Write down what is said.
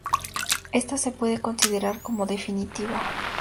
Esta se puede considerar como definitiva.